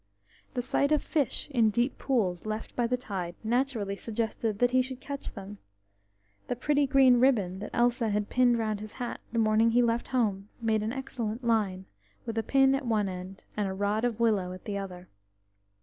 The sight of fish in the deep pools left by the tide naturally suggested that he should catch them; the pretty green ribbon that Elsa had pinned round his hat the morning he left home made an excellent line, with a pin at one end, and a rod of willow at the other.